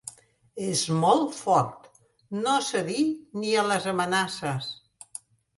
És molt fort: no cedí ni a les amenaces.